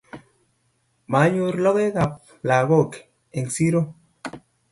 Manyor lokoek ab lakok eng siro